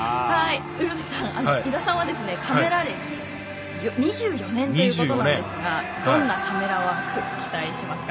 ウルフさん、井田さんはカメラ歴２４年ということなんですがどんなカメラワーク期待しますか？